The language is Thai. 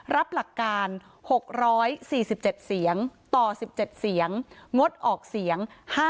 รับหลักการ๖๔๗เสียงต่อ๑๗เสียงงดออกเสียง